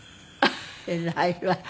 偉いわね。